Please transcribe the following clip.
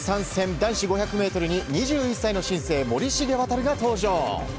男子５００ｍに２１歳の新星森重航が登場。